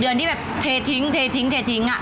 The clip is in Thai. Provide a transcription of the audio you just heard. ๗เดือนที่แบบเททิ้งอ่ะ